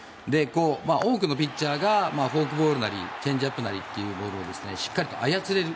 多くのピッチャーがフォークボールなりチェンジアップなりというボールをしっかりと操れる。